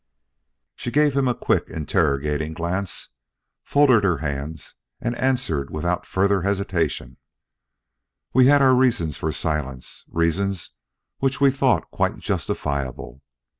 She gave him a quick interrogating glance, folded her hands and answered without further hesitation: "We had our reasons for silence, reasons which we thought quite justifiable.